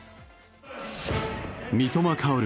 三笘薫。